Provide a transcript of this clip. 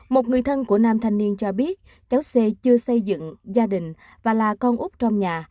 một người thân của nam thanh niên cho biết kéo xê chưa xây dựng gia đình và là con úc trong nhà